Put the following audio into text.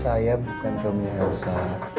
saya bukan suaminya elsa